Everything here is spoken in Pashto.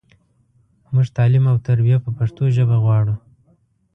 مونږ تعلیم او تربیه په پښتو ژبه غواړو.